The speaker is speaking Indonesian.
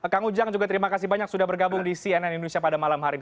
kang ujang juga terima kasih banyak sudah bergabung di cnn indonesia pada malam hari ini